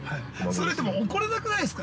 ◆それ、怒らなくないですか。